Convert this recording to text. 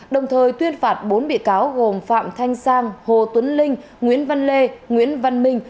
đồng thời tuyên phạt bốn bị cáo gồm phạm thanh sang hồ tuấn linh nguyễn văn lê nguyễn văn minh